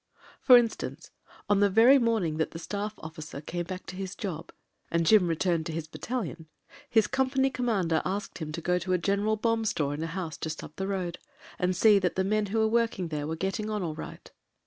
For instance, on the very morning that the Staff Officer came back to his job, and Jim returned to his 299 300 MEN, WOMEN AND GUNS battalicm, his company commander asked him to go to a general bomb store in a house just up the roai and see that the men who were working there were getting on all right.